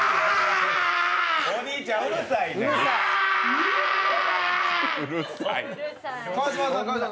お兄ちゃん、うるさいねん！